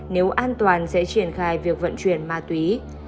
nếu an toàn sẽ triển khai việc vận chuyển ma túy